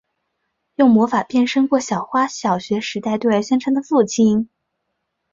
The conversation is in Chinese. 用魔法变身过小花小学时代对外宣称的父亲。